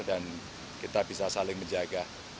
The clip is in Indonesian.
dan kita bisa saling menjaga